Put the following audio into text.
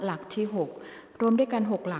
กรรมการท่านที่ห้าได้แก่กรรมการใหม่เลขเก้า